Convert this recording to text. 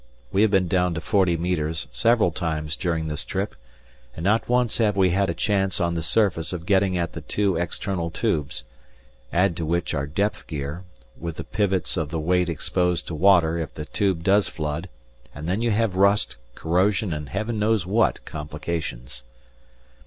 We have been down to forty metres several times during this trip, and not once have we had a chance on the surface of getting at the two external tubes; add to which our depth gear, with the pivots of the weight exposed to water if the tube does flood and then you have rust, corrosion and heaven knows what complications.